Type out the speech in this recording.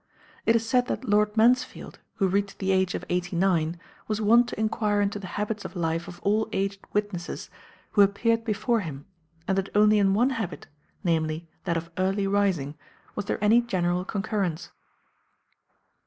It is said that Lord Mansfield, who reached the age of eighty nine, was wont to inquire into the habits of life of all aged witnesses who appeared before him, and that only in one habit, namely, that of early rising, was there any general concurrence.